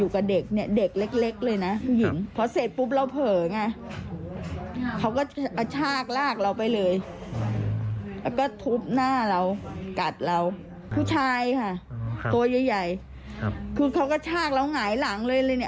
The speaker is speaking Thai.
คือเขาก็ชากเราไหงหลังเลย